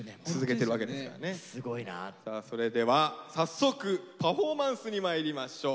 さあそれでは早速パフォーマンスにまいりましょう。